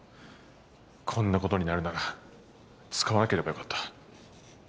こんなことになるなら使わなければよかった。